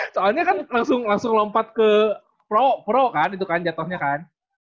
soalnya kan langsung lompat ke pro kan itu kan jatuhnya kan